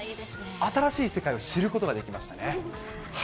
新しい世界を知ることができましたね。